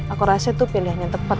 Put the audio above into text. aku rasa itu pilihannya tepat